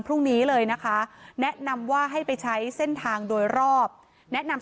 พรุ่งนี้เลยนะคะแนะนำว่าให้ไปใช้เส้นทางโดยรอบแนะนำ